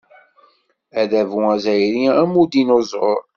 Adabu azzayri am udinuẓur.